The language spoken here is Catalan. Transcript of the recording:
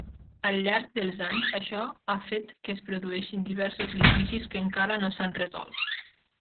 Al llarg dels anys, això ha fet que es produeixin diversos litigis que encara no s'han resolt.